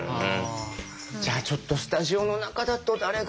じゃあちょっとスタジオの中だと誰が向いてる。